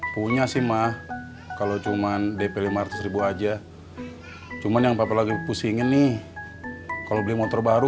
punya sih mah kalau cuman dp lima ratus aja cuman yang pelagi pusingin nih kalau beli motor baru